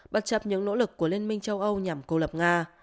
bất chấp những nỗ lực của liên minh châu âu nhằm cô lập nga